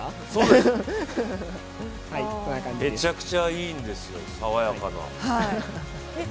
めちゃくちゃいいんですよ、爽やかな。